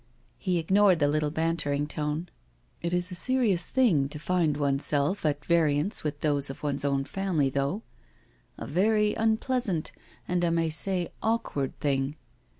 He ignored the little bantering tone. " It is a Serious thing to find oneself at variance with those of one's own family though— a very unpleasant, and I may say, awkward thing."